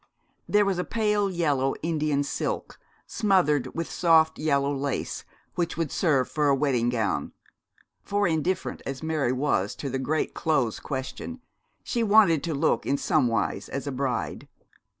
There was a pale yellow Indian silk, smothered with soft yellow lace, which would serve for a wedding gown; for indifferent as Mary was to the great clothes question, she wanted to look in some wise as a bride.